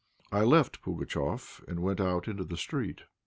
I left Pugatchéf, and went out into the street.